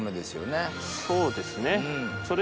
そうですね。